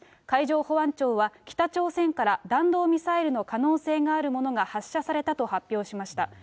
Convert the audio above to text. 海上保安庁は、北朝鮮から弾道ミサイルの可能性があるものが発射されたと発表しました。